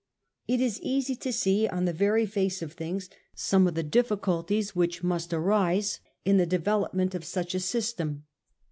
It is easy to see on the very face of things some of the difficulties which must arise in the development 1837. CANADIAN DIFFICULTIES. 51 of such a system.